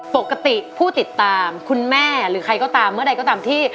ปกติผู้ติดตามคุณแม่หรือใครก็ตามเมื่อใดก็ตามที่